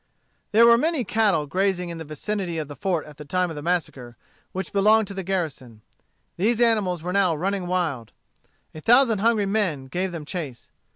There were many cattle grazing in the vicinity of the fort at the time of the massacre, which belonged to the garrison. These animals were now running wild. A thousand hungry men gave them chase.